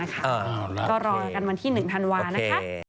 ก็รอกันวันที่๑ธันวานะคะ